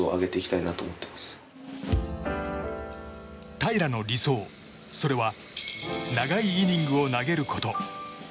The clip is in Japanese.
平良の理想、それは長いイニングを投げること。